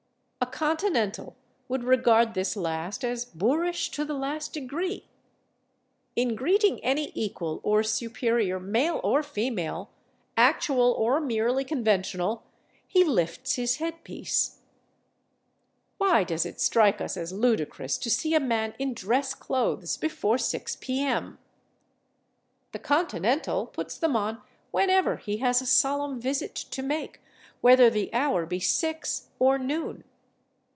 A Continental would regard this last as boorish to the last degree; in greeting any equal or superior, male or female, actual or merely conventional, he lifts his head piece. Why does it strike us as ludicrous to see a man in dress clothes before 6 P. M.? The Continental puts them on whenever he has a solemn visit to make, whether the hour be six or noon.